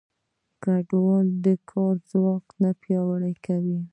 آیا کډوال د کار ځواک نه پیاوړی کوي؟